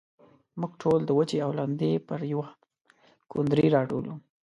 موږ ټول د وچې او لندې پر يوه کوندرې راټول وو.